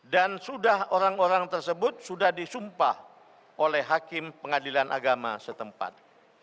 dan sudah orang orang tersebut sudah disumpah oleh hakim pengadilan agama setempat